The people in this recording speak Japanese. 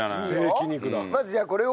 まずじゃあこれを？